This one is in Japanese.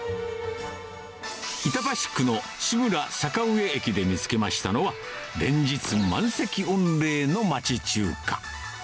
板橋区の志村坂上駅で見つけましたのは、連日、満席御礼の町中華。